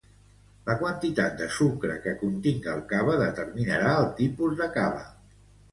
La quantitat de sucre que continga el cava determinarà el tipus de cava.